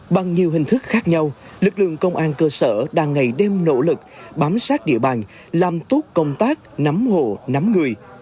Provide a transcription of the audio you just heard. bằng nhiều hình thức khác nhau lực lượng công an cơ sở đang ngày đêm nỗ lực bám sát địa bàn làm tốt công tác nắm hộ nắm người